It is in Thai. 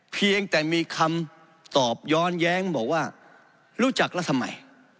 เพียงแต่มีคำตอบย้อนแย้งบอกว่ารู้จักแล้วทำไม